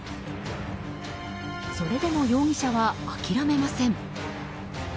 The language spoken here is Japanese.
それでも容疑者は諦めません。